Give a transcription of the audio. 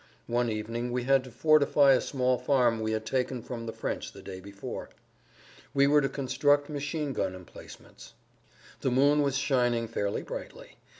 One evening we had to fortify a small farm we had taken from the French the day before. We were to construct machine gun emplacements. The moon was shining fairly brightly.